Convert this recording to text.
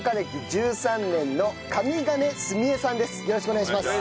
お願いします。